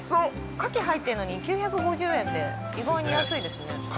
牡蠣入ってんのに９５０円で意外に安いですね最高ですよ